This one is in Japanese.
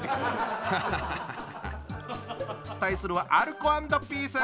ハハハハハ対するはアルコ＆ピース！